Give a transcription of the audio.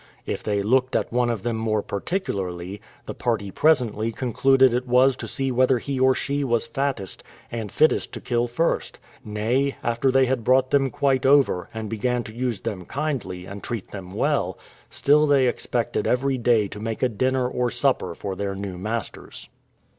If they looked at one of them more particularly, the party presently concluded it was to see whether he or she was fattest, and fittest to kill first; nay, after they had brought them quite over, and began to use them kindly, and treat them well, still they expected every day to make a dinner or supper for their new masters.